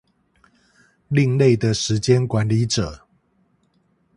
另類的時間管理者